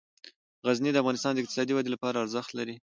غزني د افغانستان د اقتصادي ودې لپاره ارزښت لري.